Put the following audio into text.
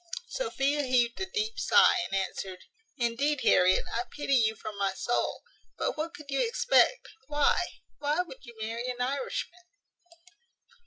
Sophia heaved a deep sigh, and answered, "Indeed, Harriet, I pity you from my soul! But what could you expect? Why, why, would you marry an Irishman?"